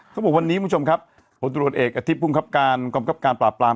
สมมุติวันนี้คุณผู้ชมครับหัวตรวจเอกอาทิบภูมิคับการความปราบปราม